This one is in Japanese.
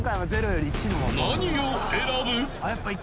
［何を選ぶ？］